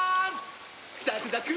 ザクザク！